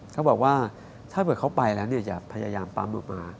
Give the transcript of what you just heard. เขาบอกว่าถ้าเกิดเขาไปแล้วจะพยายามปั๊มออกมา